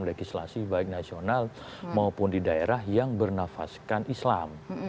legislasi baik nasional maupun di daerah yang bernafaskan islam